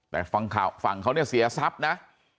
แต่ฝั่งเขาเนี่ยเสียทรัพย์นะ